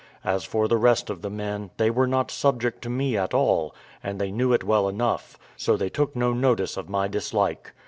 As for the rest of the men, they were not subject to me at all, and they knew it well enough; so they took no notice of my dislike.